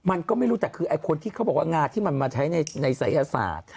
มันก็ไม่รู้แต่คือไอ้คนที่เขาบอกว่างาที่มันมาใช้ในศัยศาสตร์